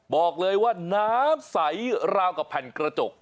บอกเลยว่าน้ำใสราวกับแผ่นกระจก